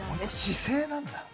姿勢なんだ。